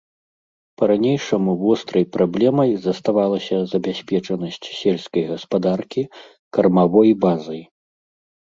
Па-ранейшаму вострай праблемай заставалася забяспечанасць сельскай гаспадаркі кармавой базай.